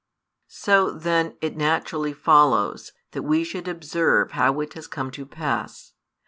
So then it naturally follows that we should observe how it has come to pass.